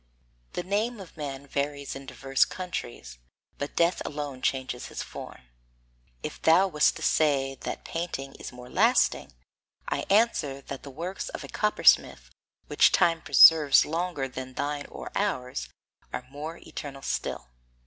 The name of man varies in diverse countries, but death alone changes his form. If thou wast to say that painting is more lasting, I answer that the works of a coppersmith, which time preserves longer than thine or ours, are more eternal still.